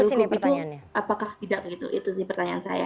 itu sih pertanyaan saya